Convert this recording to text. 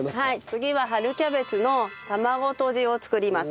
次は春キャベツの卵とじを作ります。